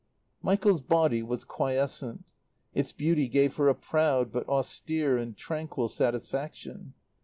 Michael's body was quiescent; its beauty gave her a proud, but austere and tranquil satisfaction.